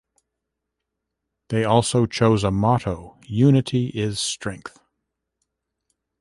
They also chose a motto: unity is strength.